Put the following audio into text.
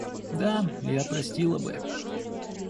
Да, я простила бы.